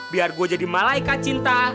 biar gue jadi malaikat cinta